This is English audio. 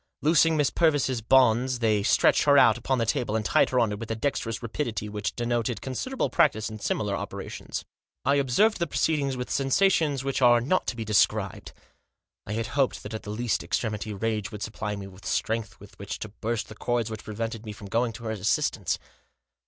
Loosing Miss Purvis' bonds they stretched her out upon the table, and tied her on it with a dexterous rapidity which denoted considerable practice in similar operations. I observed the proceedings with sensations which are not to be described. I had hoped that at the last extremity rage would supply me with strength with which to burst the cords which prevented me from going to her assistance.